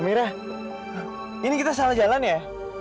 mirah ini kita salah jalan ya